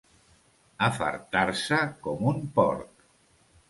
Afartar-se com un porc.